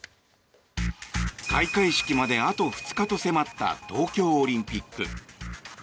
開会式まであと２日と迫った東京オリンピック。